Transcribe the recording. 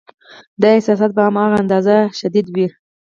دا احساسات به هم په هغه اندازه شدید وي.